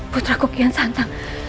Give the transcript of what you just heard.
putraku kian santang